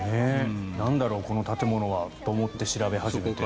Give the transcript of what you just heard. なんだろう、この建物はと思って調べ始めて。